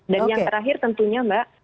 dan yang terakhir tentunya mbak